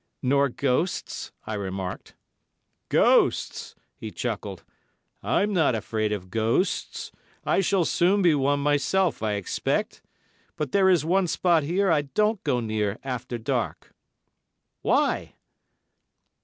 "Nor ghosts?" I remarked. "Ghosts!" he chuckled. "I'm not afraid of ghosts. I shall soon be one myself, I expect; but there is one spot here I don't go near after dark." "Why?"